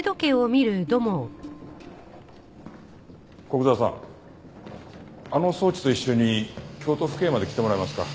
古久沢さんあの装置と一緒に京都府警まで来てもらえますか？